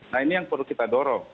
nah ini yang perlu kita dorong